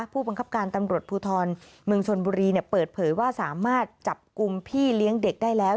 ผู้บังคับการตำรวจภูทรเมืองชนบุรีเปิดเผยว่าสามารถจับกลุ่มพี่เลี้ยงเด็กได้แล้ว